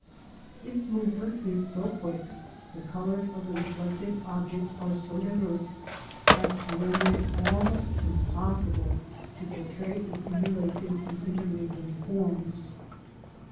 Its movement is so quick, the colours of the reflected objects are so diverse, as to render it almost impossible to portray its interlacing and inter mingling forms.